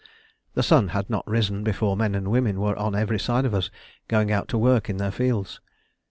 The sun had not risen before men and women were on every side of us, going out to work in their fields.